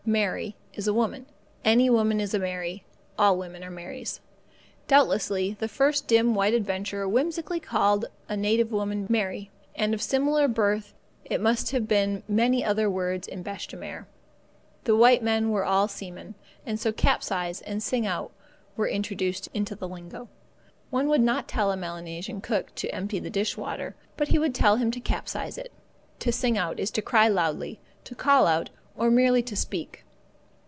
Mary is a woman. Any woman is a Mary. All women are Marys. Doubtlessly the first dim white adventurer whimsically called a native woman Mary, and of similar birth must have been many other words in bêche de mer. The white men were all seamen, and so capsize and sing out were introduced into the lingo. One would not tell a Melanesian cook to empty the dish water, but he would tell him to capsize it. To sing out is to cry loudly, to call out, or merely to speak.